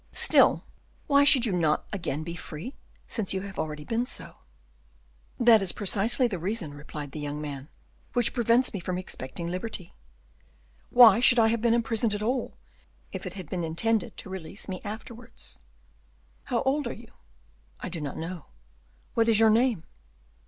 "Still, why should you not again be free, since you have already been so?" "That is precisely the reason," replied the young man, "which prevents me from expecting liberty; why should I have been imprisoned at all if it had been intended to release me afterwards?" "How old are you?" "I do not know." "What is your name?"